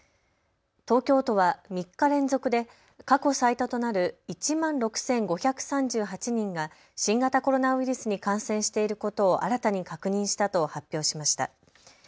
東京都は３日連続で過去最多となる１万６５３８人が新型コロナウイルスに感染していることを新たに確認したと発表しました。